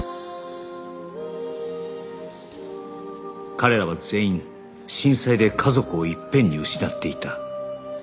彼らは全員震災で家族をいっぺんに失っていた